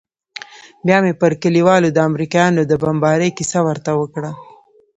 بيا مې پر كليوالو د امريکايانو د بمبارۍ كيسه ورته وكړه.